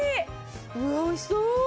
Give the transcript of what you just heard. うわっおいしそう。